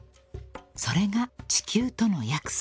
［それが地球との約束］